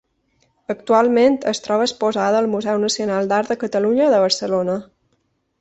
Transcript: Actualment es troba exposada al Museu Nacional d'Art de Catalunya de Barcelona.